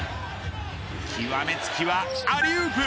きわめつきはアリウープ。